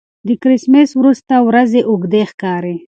د کرېسمېس وروسته ورځې اوږدې ښکاري.